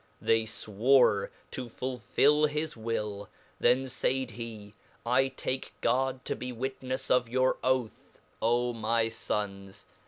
They fwore to fulhll his will; then faid he, I take God tobe witnefsofyour oath: Omyfons